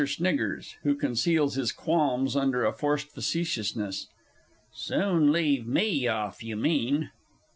SNIGGERS (who conceals his qualms under a forced facetiousness). Soon leave me off you mean!